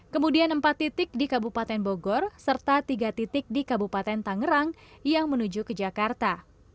kemudian empat titik di kabupaten bogor serta tiga titik di kabupaten tangerang yang menuju ke jakarta